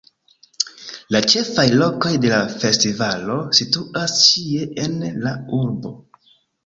La ĉefaj lokoj de la festivalo situas ĉie en la urbo.